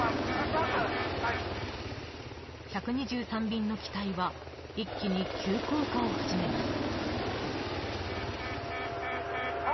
１２３便の機体は一気に急降下を始めます。